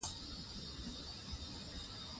نمک د افغانانو د ګټورتیا برخه ده.